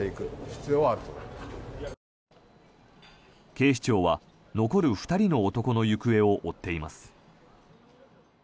警視庁は残る２人の男の行方を追っています。